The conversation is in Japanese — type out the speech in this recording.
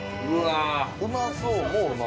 うまそう。